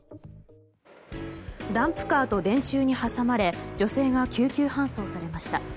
ダンプカーと電柱に挟まれ女性が救急搬送されました。